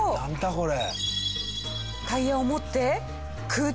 これ。